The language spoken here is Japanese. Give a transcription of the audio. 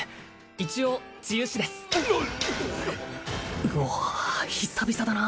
一応治癒士ですうわ久々だな